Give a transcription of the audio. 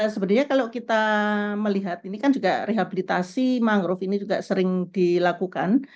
sebenarnya kalau kita melihat ini kan juga rehabilitasi mangrove ini juga sering dilakukan